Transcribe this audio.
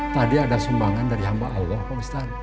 tadi ada sumbangan dari hamba allah pak ustadz